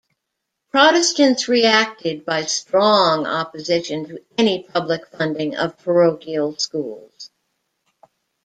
Protestants reacted by strong opposition to any public funding of parochial schools.